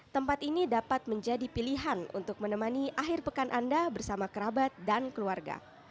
tempat ini dapat menjadi pilihan untuk menemani akhir pekan anda bersama kerabat dan keluarga